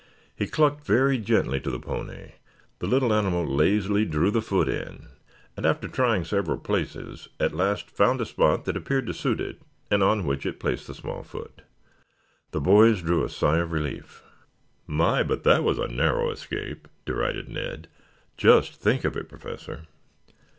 He clucked very gently to the pony. The little animal lazily drew the foot in, and, after trying several places, at last found a spot that appeared to suit it and on which it placed the small foot. The boys drew a sigh of relief. "My, but that was a narrow escape," derided Ned. "Just think of it, Professor."